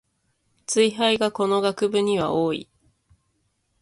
ツイ廃がこの学部には多い